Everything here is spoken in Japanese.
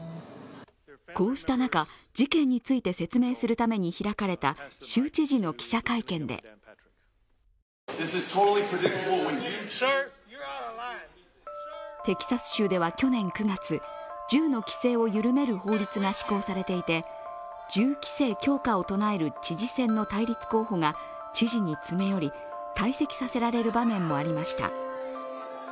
こうした中、事件について説明するために開かれた州知事の記者会見でテキサス州では去年９月、銃の規制が緩める法律が施行されていて、銃規制強化をとなえる知事選の対立候補が知事に詰め寄り、退席させられる場面もありました。